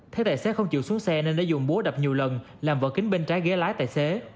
thấy tài xế không chịu xuống xe nên đã dùng búa đập nhiều lần làm vỡ kính bên trái ghế lái tài xế